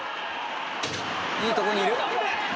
いいとこにいる。